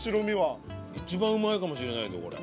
一番うまいかもしれないぞこれ。